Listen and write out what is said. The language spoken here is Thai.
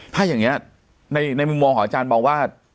ถ้าอย่างนี้ในมุมมองของอาจารย์มองว่า